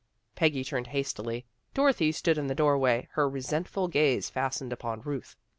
Peggy turned hastily. Dorothy stood in the doorway, her resentful gaze fastened upon Ruth.